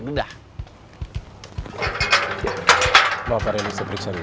maaf pak ria ini saya beriksa dulu